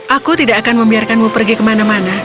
aku tidak akan membiarkanmu pergi kemana mana